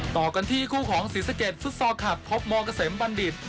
ต่อกันที่คู่ของศิษฐกิจศุษศาคัตพบมเกษมบัณฑิต